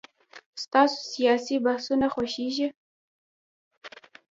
ستاسو سياسي بحثونه خوښيږي.